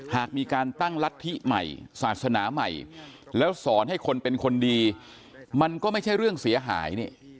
หากมีการตั้งรัฐธิใหม่ศาสนาใหม่แล้วสอนให้คนเป็นคนดีมันก็ไม่ใช่เรื่องเสียหายนี่